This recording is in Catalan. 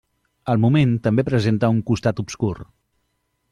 El moment també presenta un costat obscur.